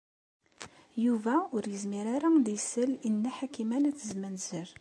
Yuba ur yezmir ara ad isell i Nna Ḥakima n At Zmenzer.